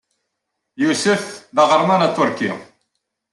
Yusuf d aɣerman aṭurki.